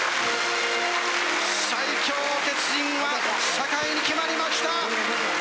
最強の鉄人は坂井に決まりました。